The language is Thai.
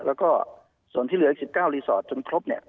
แล้วก็ส่วนที่เหลือ๑๙รีสอร์ทจนครบเนี่ย